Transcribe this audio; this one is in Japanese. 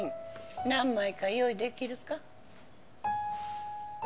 何枚か用意できるか？